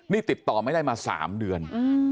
นี่ติดต่อไม่ได้มา๓เดือน